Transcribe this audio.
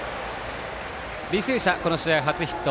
履正社、この試合初ヒット。